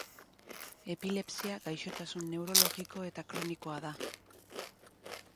Epilepsia gaixotasun neurologiko eta kronikoa da.